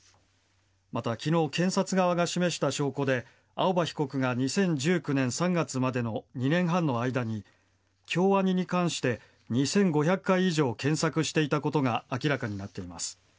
また、昨日検察側が示した証拠で青葉被告が２０１９年３月までの２年半の間に京アニに関して２５００回以上検索していたことが明らかになっています。